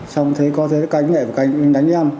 xong thế có thấy cánh này và cánh đánh em